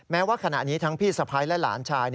แม้ว่าขณะนี้ทั้งพี่สะพ้ายและหลานชาย